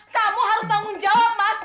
kamu harus tanggung jawab mas